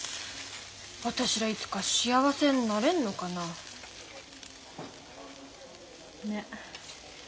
私らいつか幸せになれんのかな。ね。